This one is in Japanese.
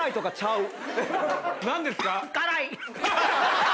何ですか？